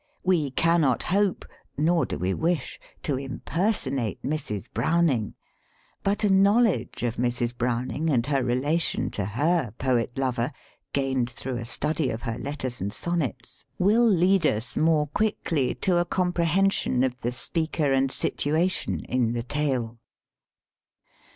We cannot hope (nor do we wish) to impersonate Mrs. Browning, but a knowledge of Mrs. Browning and her relation to her poet lover, gained through a study of her Letters and Sonnets, will lead us more quick 14 205 THE SPEAKING VOICE ly to a comprehension of the speaker and situation in the "Tale."